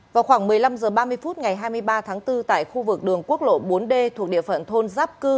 vào khoảng một mươi năm h ba mươi phút ngày hai mươi ba tháng bốn tại khu vực đường quốc lộ bốn d thuộc địa phận thôn giáp cư